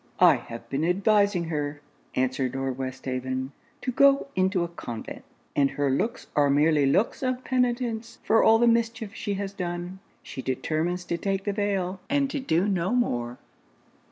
'I have been advising her,' answered Lord Westhaven, 'to go into a convent; and her looks are merely looks of penitence for all the mischief she has done. She determines to take the veil, and to do no more.'